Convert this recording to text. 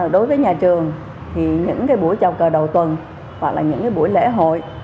đối với nhà trường thì những cái buổi chầu cờ đầu tuần hoặc là những cái buổi lễ hội